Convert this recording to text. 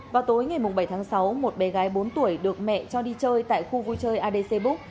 vào tối ngày bảy tháng sáu một bé gái bốn tuổi được mẹ cho đi chơi tại khu vui chơi adc book